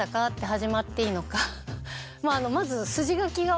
始まっていいのかまず。